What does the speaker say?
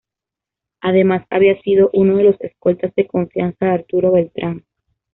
Además había sido uno de los escoltas de confianza de Arturo Beltrán.